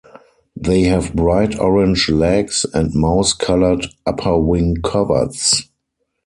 They have bright orange legs and mouse-coloured upper wing-coverts.